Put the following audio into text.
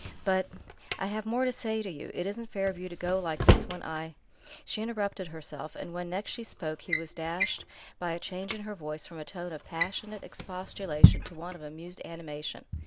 "But " "I have more to say to you. It isn't fair of you to go like this, when I " She interrupted herself, and when next she spoke he was dashed by a change in her voice from a tone of passionate expostulation to one of amused animation.